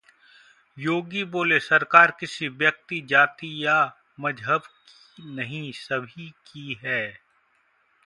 योगी बोले: सरकार किसी व्यक्ति, जाति या मजहब की नहीं सभी की है